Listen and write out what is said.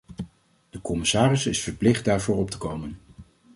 De commissaris is verplicht daarvoor op te komen.